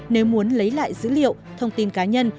nếu muốn lấy lại dữ liệu thông tin cá nhân